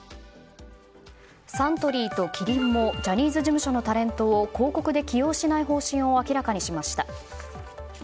サントリーとキリンもジャニーズ事務所のタレントを広告で起用しない方針を明らかにしました。